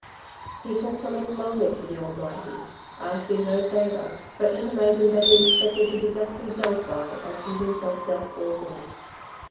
He talked a little longer to the Almighty, asking no favour, but intimating that he expected to be justly dealt by as he himself dealt by all men.